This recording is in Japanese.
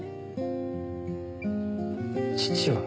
父は？